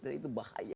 dan itu bahaya